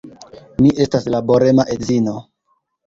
Mi estas laborema edzino.